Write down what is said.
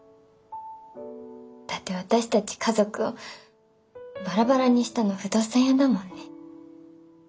だって私たち家族をバラバラにしたの不動産屋だもんね。